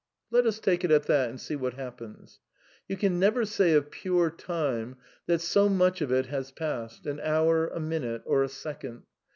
Let us take it at that and see what happens. You can never say of pure Time that so much of it has passed, an hour, a minute or a second.